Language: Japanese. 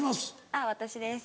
あっ私です。